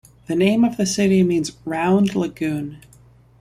The name of the city means "Round Lagoon".